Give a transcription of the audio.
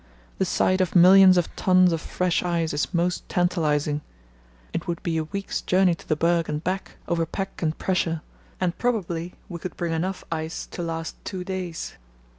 The sight of millions of tons of fresh ice is most tantalizing. It would be a week's journey to the berg and back over pack and pressure, and probably we could bring enough ice to last two days."